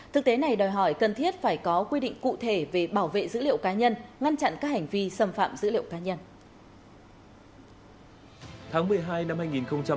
thực tế này đòi hỏi cần thiết phải có quy định cụ thể về bảo vệ dữ liệu cá nhân ngăn chặn các hành vi xâm phạm dữ liệu cá nhân